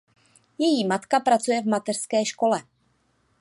Její matka pracuje v mateřské škole.